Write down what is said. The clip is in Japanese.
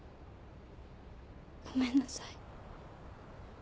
ごめんなさい。